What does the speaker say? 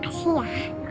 aku senang banget